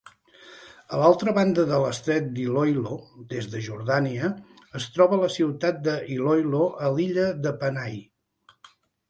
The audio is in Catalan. A l'altra banda de l'estret d'Iloilo, des de Jordània, es troba la ciutat de Iloilo a l'illa de Panay.